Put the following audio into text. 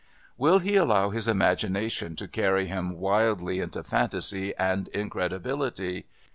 Will he allow his imagination to carry him wildly into fantasy and incredibility?